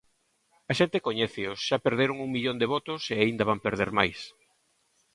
A xente coñéceos, xa perderon un millón de votos e aínda van perder máis.